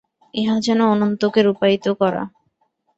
ইহা যেন অনন্তকে রূপায়িত করা।